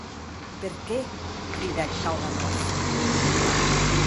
Per qué?, cridèc Kalganov.